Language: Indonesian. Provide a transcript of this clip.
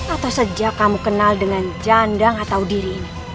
atau sejak kamu kenal dengan jandang atau diri